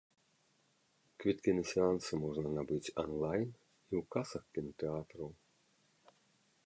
Квіткі на сеансы можна набыць анлайн і ў касах кінатэатраў.